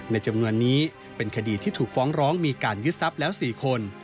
ในจำนวนนี้เป็นคดีที่ถูกฟ้องร้องมีการยึดทรัพย์แล้ว๔คน